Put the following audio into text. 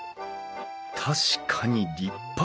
確かに立派。